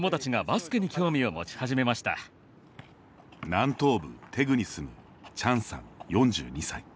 南東部テグに住むチャンさん、４２歳。